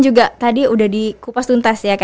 juga tadi udah di kupas tuntas